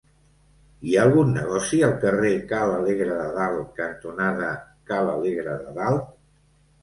Hi ha algun negoci al carrer Ca l'Alegre de Dalt cantonada Ca l'Alegre de Dalt?